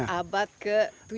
dan abad ketujuh